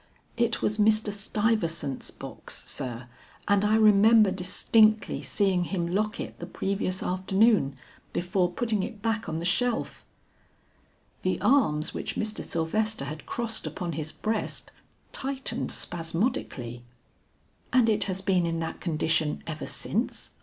"It was Mr. Stuyvesant's box, sir, and I remember distinctly seeing him lock it the previous afternoon before putting it back on the shelf." The arms which Mr. Sylvester had crossed upon his breast tightened spasmodically. "And it has been in that condition ever since?"